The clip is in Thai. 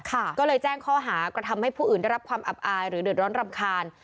ก็เลยแจ้งข้อหากระทำให้ผู้อื่นได้รับความอับอายหรือเดือดร้อนรำคาญ